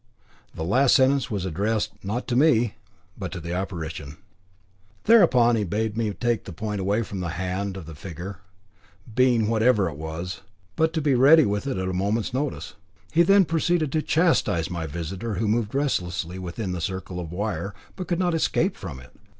The last sentence was addressed, not to me, but to the apparition. Thereupon he bade me take the point away from the hand of the figure being whatever it was, but to be ready with it at a moment's notice. He then proceeded to catechise my visitor, who moved restlessly within the circle of wire, but could not escape from it.